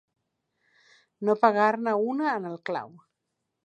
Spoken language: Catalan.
No pegar-ne una en el clau.